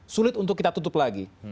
sulit untuk kita tutup lagi